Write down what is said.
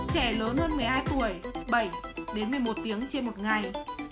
trẻ lớn hơn một mươi hai tuổi bảy đến một mươi một tiếng trên một ngày